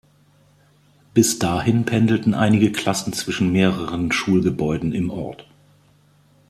Bis dahin pendelten einigen Klassen zwischen mehreren Schulgebäuden im Ort.